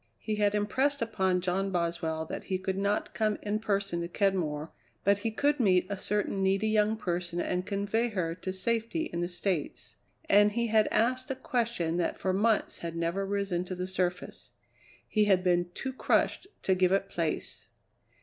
He had impressed upon John Boswell that he could not come in person to Kenmore, but he could meet a certain needy young person and convey her to safety in the States. And he had asked a question that for months had never risen to the surface he had been too crushed to give it place.